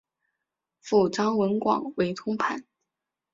父张仁广为通判。